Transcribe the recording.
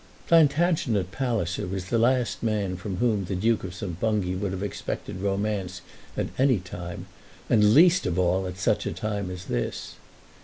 Plantagenet Palliser was the last man from whom the Duke of St. Bungay would have expected romance at any time, and, least of all, at such a time as this.